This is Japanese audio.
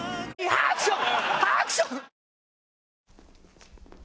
ハクション！